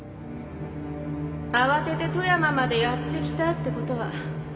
慌てて富山までやって来たってことは